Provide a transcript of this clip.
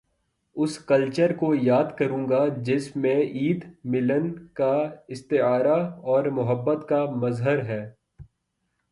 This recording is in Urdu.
اس کلچر کو یاد کروں گا جس میں عید، ملن کا استعارہ اور محبت کا مظہر ہے۔